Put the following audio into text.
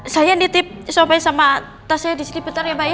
saya nitip sobatnya sama tas saya disini bentar ya mbak ya